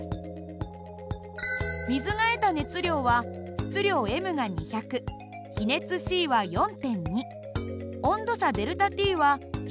水が得た熱量は質量ｍが２００比熱ｃは４．２温度差ΔＴは１５．１。